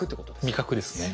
味覚ですね。